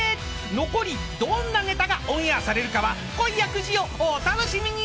残りどんなネタがオンエアされるかは今夜９時をお楽しみに］